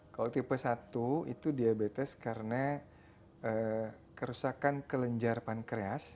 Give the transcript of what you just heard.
kalau tipe satu itu diabetes karena kerusakan kelenjar pankreas